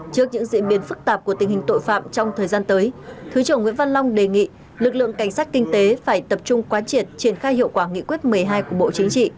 trước những diễn biến phức tạp của tình hình tội phạm trong thời gian tới thứ trưởng nguyễn văn long đề nghị lực lượng cảnh sát kinh tế phải tập trung quán triệt triển khai hiệu quả nghị quyết một mươi hai của bộ chính trị